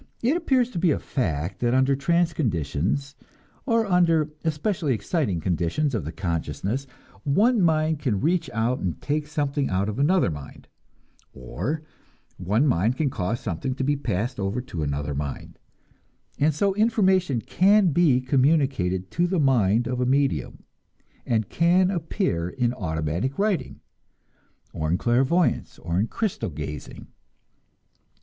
It appears to be a fact that under trance conditions, or under any especially exciting conditions of the consciousness, one mind can reach out and take something out of another mind, or one mind can cause something to be passed over to another mind; and so information can be communicated to the mind of a medium, and can appear in automatic writing, or in clairvoyance, or in crystal gazing.